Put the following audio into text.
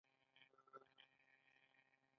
جومات د پښتنو د کلي مرکز وي.